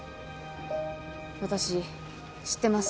私知ってます。